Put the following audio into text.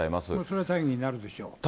それは大義になるでしょう。